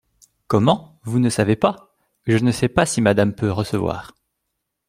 Comment, vous ne savez pas ? Je ne sais pas si madame peut recevoir.